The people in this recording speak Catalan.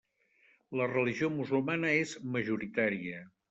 La religió musulmana és majoritària.